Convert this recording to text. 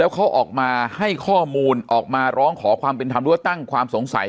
เขาออกมาให้ข้อมูลออกมาร้องขอความเป็นธรรมหรือว่าตั้งความสงสัย